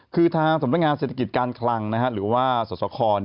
คือทางสำนักงานเศรษฐกิจการคลังหรือว่าสสค